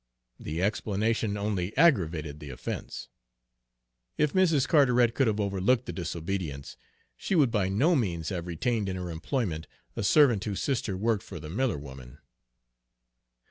The explanation only aggravated the offense: if Mrs. Carteret could have overlooked the disobedience, she would by no means have retained in her employment a servant whose sister worked for the Miller woman.